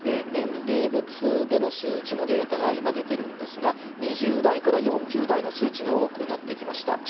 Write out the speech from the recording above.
年齢別での数値のデータが今、出てるんですが、２０代から４０代の数値が多くなってきました。